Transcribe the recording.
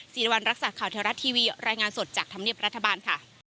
ศีลวัลรักษาขาวเถลรัตว์ทีวีรายงานสดจากถังมเนียบรัฐบาลค่ะ